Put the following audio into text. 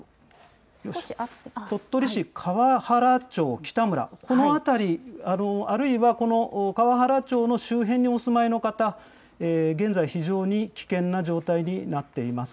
鳥取市河原町北村、この辺り、あるいはこの河原町の周辺にお住まいの方、現在、非常に危険な状態になっています。